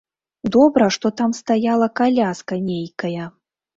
Добра, што там стаяла каляска нейкая.